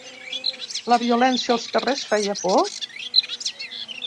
La violència als carrers feia por?